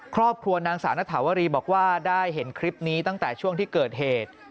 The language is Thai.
ครอบครัวนางสาวนถาวรีบอกว่าได้เห็นคลิปนี้ตั้งแต่ช่วงที่เกิดเหตุ